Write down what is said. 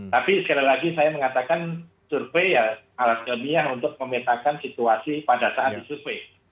tapi sekali lagi saya mengatakan survei ya alat ilmiah untuk memetakan situasi pada saat disurvey